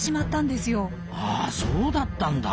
ああそうだったんだ。